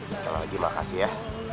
sekarang lagi makasih ya